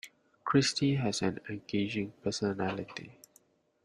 Christy has an engaging personality.